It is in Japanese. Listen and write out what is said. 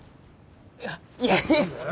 いや。いやいや！